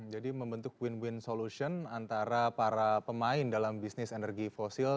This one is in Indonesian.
jadi ini adalah satu win win solution antara para pemain dalam bisnis energi fosil